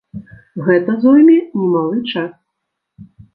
Гэта зойме немалы час.